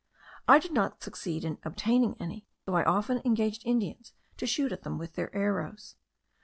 I did not succeed in obtaining any, though I often engaged Indians to shoot at them with their arrows.